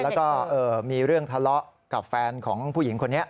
แล้วก็มีเรื่องทะเลาะกับแฟนของผู้หญิงคนนี้